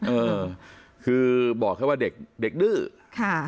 เออคือบอกเค้าว่าเด็กดื้อค่ะ